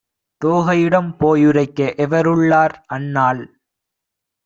தோகையிடம் போயுரைக்க எவருள்ளார்? அன்னாள்